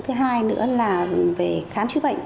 thứ hai nữa là về khám chứa bệnh